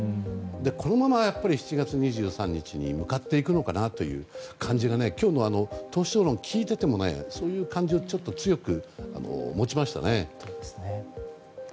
このまま７月２３日に向かっていくのかなという感じが今日の党首討論を聞いていてもそういう感じを強く持ちましたね。